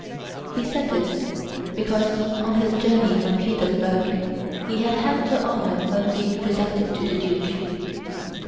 He said this because on his journey from Petersburg he had had the honor of being presented to the Duke.